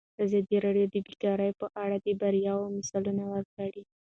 ازادي راډیو د بیکاري په اړه د بریاوو مثالونه ورکړي.